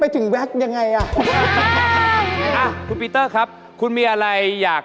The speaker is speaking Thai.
เต้ยแว๊กได้ไหม